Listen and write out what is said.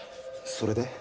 それで？